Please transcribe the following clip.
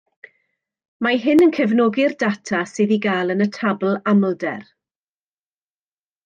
Mae hyn yn cefnogi'r data sydd i gael yn y tabl amlder